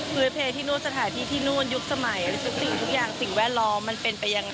พื้นเพย์ที่นู่นสถานที่ที่นู่นยุคสมัยทุกสิ่งทุกอย่างสิ่งแวดล้อมมันเป็นไปยังไง